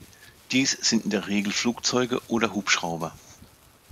Dies sind in der Regel Flugzeuge oder Hubschrauber.